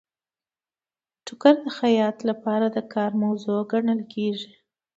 ټوکر د خیاط لپاره د کار موضوع ګڼل کیږي.